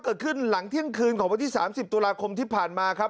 เกิดขึ้นหลังเที่ยงคืนของวันที่๓๐ตุลาคมที่ผ่านมาครับ